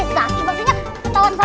eh zaky maksudnya ketawain sama